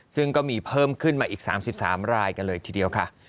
ซึ่งก็มีเพิ่มขึ้นมาอีก๓๓รายกันเลยทีเดียวค่ะ